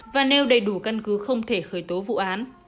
và nêu đầy đủ căn cứ không thể khởi tố vụ án